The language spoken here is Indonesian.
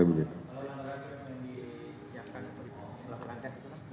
kalau yang berhasil disiapkan untuk melakukan tes itu